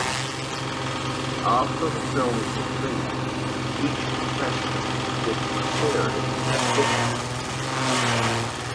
After the film concluded, each contestant was given a series of "hit men".